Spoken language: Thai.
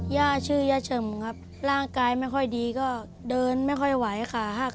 ย่าชื่อย่าเฉิมครับร่างกายไม่ค่อยดีก็เดินไม่ค่อยไหวขาหัก